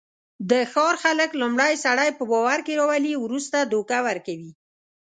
د ښار خلک لومړی سړی په باورکې راولي، ورسته دوکه ورکوي.